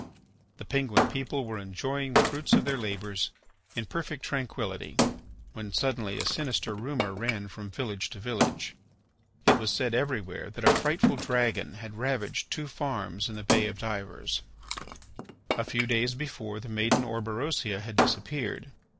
The Penguin people were enjoying the fruit of their labours in perfect tranquillity when suddenly a sinister rumour ran from village to village. It was said everywhere that a frightful dragon had ravaged two farms in the Bay of Divers. A few days before, the maiden Orberosia had disappeared.